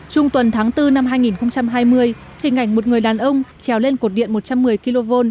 trung tuần tháng bốn năm hai nghìn hai mươi hình ảnh một người đàn ông trèo lên cột điện một trăm một mươi kv